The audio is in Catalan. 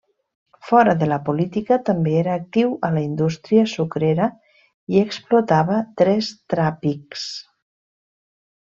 Fora de la política també era actiu a la indústria sucrera i explotava tres trapigs.